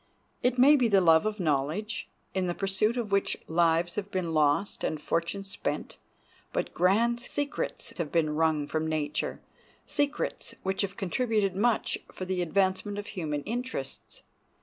It may be the love of knowledge, in the pursuit of which lives have been lost and fortunes spent; but grand secrets have been wrung from nature—secrets which have contributed much for the advancement of human interests.